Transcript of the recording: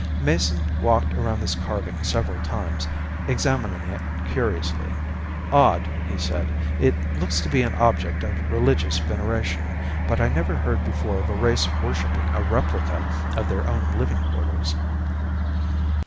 Mason walked around this carving several times, examining it curiously. "Odd," he said. "It looks to be an object of religious veneration, but I never heard before of a race worshipping a replica of their own living quarters."